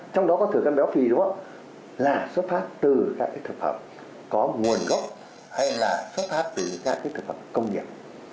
trong đó có thử cân béo phì đúng không là xuất phát từ các thực phẩm có nguồn gốc hay là xuất phát từ các thực phẩm công nghiệp